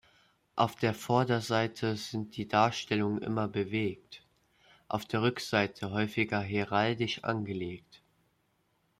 Auf der Vorderseite sind die Darstellungen immer bewegt, auf der Rückseite häufiger heraldisch angelegt.